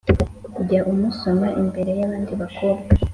jya umusoma imbere y’abandi bakobwa,